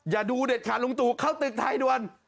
อย่าดูเด็ดขาดลุงตู่เข้าตึกไทยด่วน